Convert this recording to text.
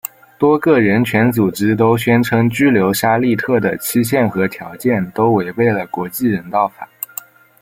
多个人权组织都宣称拘留沙利特的期限和条件都违背了国际人道法。